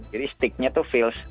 jadi stick nya tuh feels